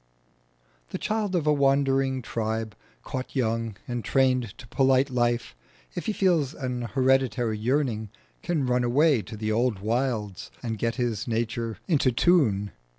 The child of a wandering tribe caught young and trained to polite life, if he feels an hereditary yearning can run away to the old wilds and get his nature into tune.